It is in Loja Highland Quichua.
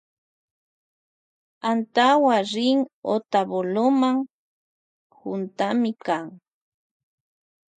Antawu rin otavaloma juntamikan.